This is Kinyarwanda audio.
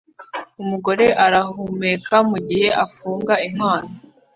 Umugore arahumeka mugihe afungura impano